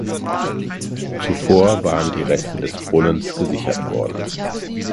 Zuvor waren die Reste des Brunnens gesichert worden.